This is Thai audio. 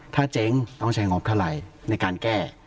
ถ้าเจ๊งต้องใช้งบเท่าไหร่ในการแก้